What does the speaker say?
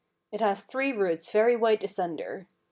It has three roots very wide asunder.